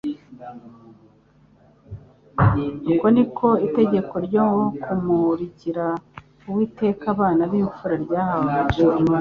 Uko niko itegeko ryo kumurikira Uwiteka abana b'imfura ryahawe agaciro